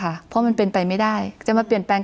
คุณปริณาค่ะหลังจากนี้จะเกิดอะไรขึ้นอีกได้บ้าง